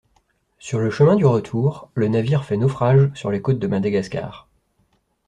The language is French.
Sur le chemin du retour, le navire fait naufrage sur les côtes de Madagascar.